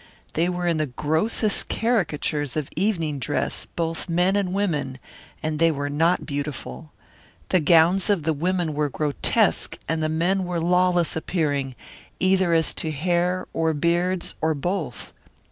They were in the grossest caricatures of evening dress, both men and women, and they were not beautiful. The gowns of the women were grotesque and the men were lawless appearing, either as to hair or beards or both.